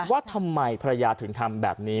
ว่าทำไมภรรยาถึงทำแบบนี้